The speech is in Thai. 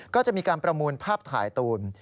ก็จะมีการประมูลภาพถ่ายตูน